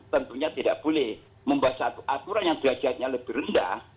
tentunya tidak boleh membuat satu aturan yang derajatnya lebih rendah